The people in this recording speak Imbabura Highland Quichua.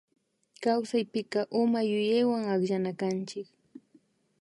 Kawsapika uma yuyaywa akllanakanchik